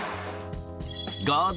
ガード